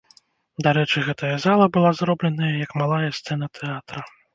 Дарэчы, гэтая зала была зробленая, як малая сцэна тэатра.